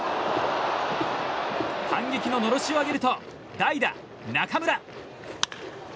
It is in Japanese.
反撃ののろしを上げると代打、中村。